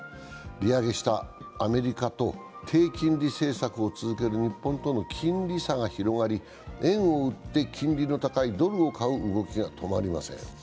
利上げしたアメリカと低金利政策を続ける日本との金利差が広がり円を売って金利の高いドルを買う動きが止まりません。